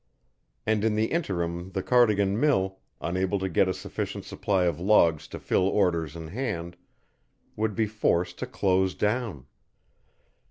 And in the interim the Cardigan mill, unable to get a sufficient supply of logs to fill orders in hand, would be forced to close down.